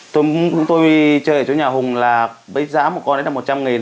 tôi chơi ở chỗ nhà hùng là với giá một con đấy là một trăm linh nghìn